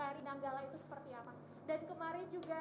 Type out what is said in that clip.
bagaimana penjelasannya pak rema silakan